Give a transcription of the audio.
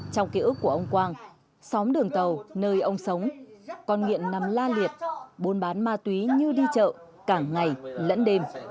trong ký ức của ông quang xóm đường tàu nơi ông sống con nghiện nằm la liệt buôn bán ma túy như đi chợ cả ngày lẫn đêm